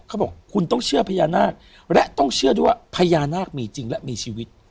เขาบอกคุณต้องเชื่อพญานาคและต้องเชื่อด้วยว่าพญานาคมีจริงและมีชีวิต